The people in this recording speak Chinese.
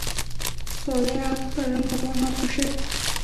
索雷阿克人口变化图示